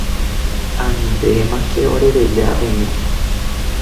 Anivémake orereja che irũ.